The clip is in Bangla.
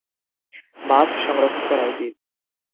মাছ সংরক্ষণ করা উচিত।